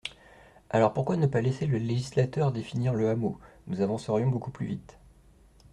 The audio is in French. Alors, pourquoi ne pas laisser le législateur définir le hameau ? Nous avancerions beaucoup plus vite.